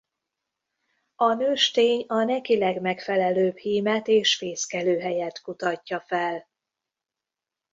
A nőstény a neki legmegfelelőbb hímet és fészkelőhelyet kutatja fel.